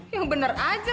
yang bener aja loh